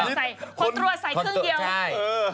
ไม่ก็เป็นเพื่องกัน